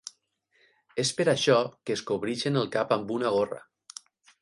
És per això que es cobreixen el cap amb una gorra.